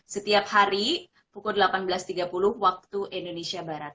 setiap hari pukul delapan belas tiga puluh waktu indonesia barat